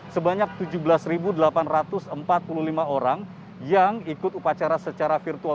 sebanyak tujuh belas delapan ratus empat puluh lima orang yang ikut upacara secara virtual